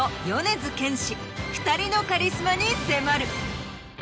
２人のカリスマに迫る。